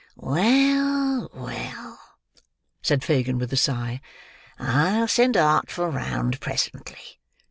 "Well, well," said Fagin, with a sigh, "I'll send the Artful round presently."